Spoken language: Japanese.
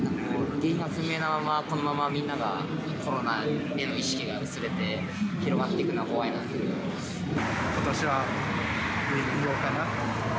原因不明なまま、このまま、みんながコロナへの意識が薄れて広がっていくのが怖いなと思いま